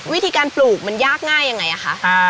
วิธีการปลูกมันยากง่ายยังไงอะคะ